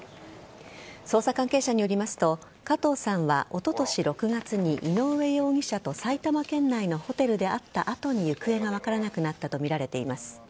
捜査関係者によりますと加藤さんは、おととし６月に井上容疑者と埼玉県内のホテルで会った後に行方が分からなくなったとみられています。